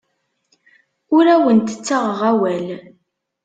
Ur awent-ttaɣeɣ awal.